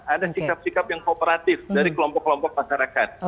ada sikap sikap yang kooperatif dari kelompok kelompok masyarakat